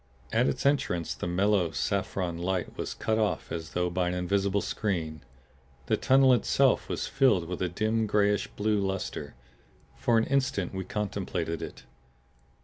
At its entrance the mellow, saffron light was cut off as though by an invisible screen. The tunnel itself was filled with a dim grayish blue luster. For an instant we contemplated it.